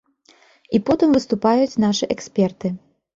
І потым выступаюць нашы эксперты.